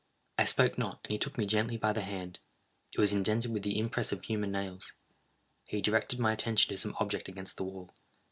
I spoke not, and he took me gently by the hand: it was indented with the impress of human nails. He directed my attention to some object against the wall.